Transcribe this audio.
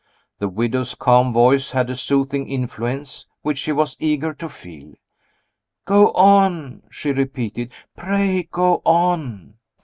The widow's calm voice had a soothing influence which she was eager to feel. "Go on!" she repeated. "Pray go on!"